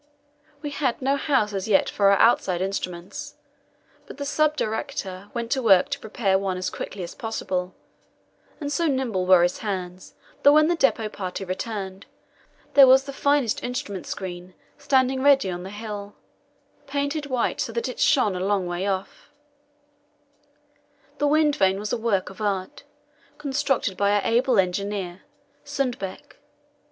We had no house as yet for our outside instruments, but the sub director went to work to prepare one as quickly as possible, and so nimble were his hands that when the depot party returned there was the finest instrument screen standing ready on the hill, painted white so that it shone a long way off: The wind vane was a work of art, constructed by our able engineer, Sundbeck.